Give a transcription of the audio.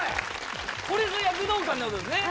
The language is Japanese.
これぞ躍動感ってことですね